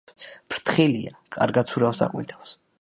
ფრთხილია; კარგად ცურავს და ყვინთავს.